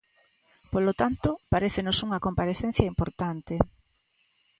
Polo tanto, parécenos unha comparecencia importante.